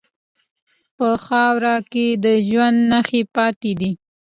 په خاوره کې د ژوند نښې پاتې دي.